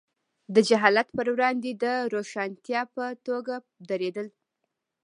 د جهالت پر وړاندې د روښانتیا په توګه درېدل.